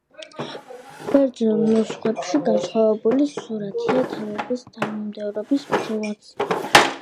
ბერძნულ ნუსხებში განსხვავებული სურათია თავების თანმიმდევრობის მხრივაც.